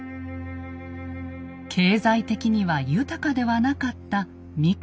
経済的には豊かではなかった三河。